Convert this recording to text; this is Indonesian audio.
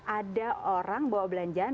ada orang bawa belanjaan